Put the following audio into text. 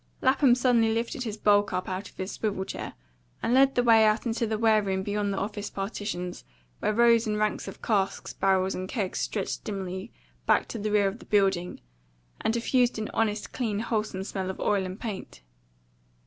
Lapham suddenly lifted his bulk up out of his swivel chair, and led the way out into the wareroom beyond the office partitions, where rows and ranks of casks, barrels, and kegs stretched dimly back to the rear of the building, and diffused an honest, clean, wholesome smell of oil and paint.